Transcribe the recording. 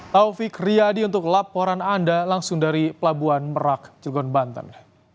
taufik riyadi untuk laporan anda langsung dari pelabuhan merak cilegon banten